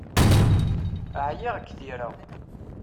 Ɛyiɣ g tira.